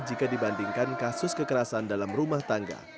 jika dibandingkan kasus kekerasan dalam rumah tangga